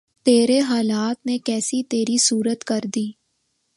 تیرے حالات نے کیسی تری صورت کر دی